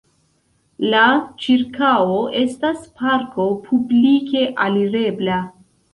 La ĉirkaŭo estas parko publike alirebla.